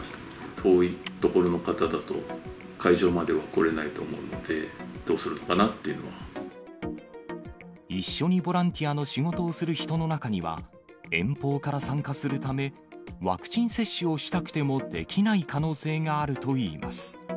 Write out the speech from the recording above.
遠い所の方だと、会場までは来れないと思うので、一緒にボランティアの仕事をする人の中には、遠方から参加するため、ワクチン接種をしたくてもできない可能性があるといいます。